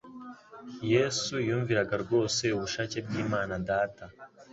Yesu yumviraga rwose ubushake bw'Imana Data,